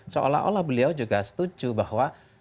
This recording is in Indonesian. seolah olah beliau juga setuju bahwa